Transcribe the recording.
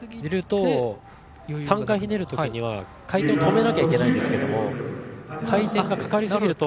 ３回ひねるときには回転を止めなきゃいけないんですけど回転がかかりすぎると。